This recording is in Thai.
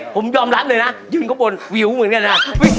ผมยอมรับเลยนะยืนข้างบนวิวเหมือนกันนะ